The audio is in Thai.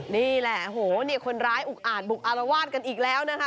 นี่แหละโหนี่คนร้ายอุกอาจบุกอารวาสกันอีกแล้วนะคะ